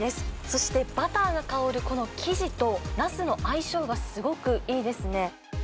そしてバターが香るこの生地となすの相性がすごくいいですね。